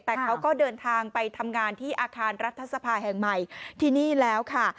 แต่เขาก็เดินทางไปทำงานที่อาคารรัฐสภาแห่งใหม่ที่นี่แล้วค่ะ